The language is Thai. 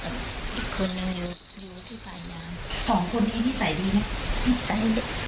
แต่ใช่